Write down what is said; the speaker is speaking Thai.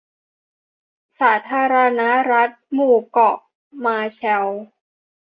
สาธารณรัฐหมู่เกาะมาร์แชลล์